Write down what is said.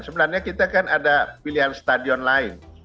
sebenarnya kita kan ada pilihan stadion lain